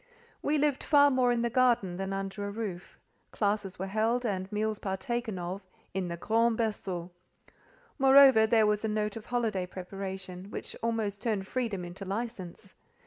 We lived far more in the garden than under a roof: classes were held, and meals partaken of, in the "grand berceau." Moreover, there was a note of holiday preparation, which almost turned freedom into licence.